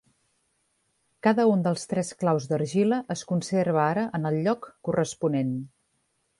Cada un dels tres claus d'argila es conserva ara en el lloc corresponent.